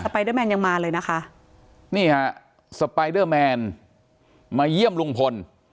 ไปเดอร์แมนยังมาเลยนะคะนี่ฮะสไปเดอร์แมนมาเยี่ยมลุงพล